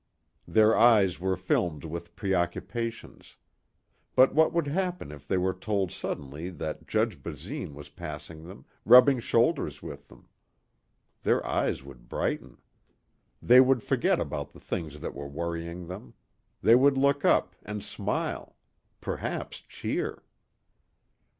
Their eyes were filmed with preoccupations. But what would happen if they were told suddenly that Judge Basine was passing them, rubbing shoulders with them? Their eyes would brighten. They would forget about the things that were worrying them. They would look up and smile. Perhaps cheer.